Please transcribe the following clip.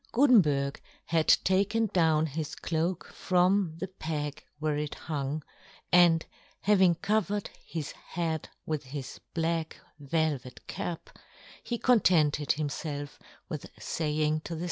Gutenberg had taken down his cloak from the peg where it hung, and, having covered his head with his black velvet cap, he con tented himfelf with faying to the 6 42 yohn Gutenberg.